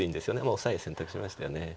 オサエ選択しましたよね。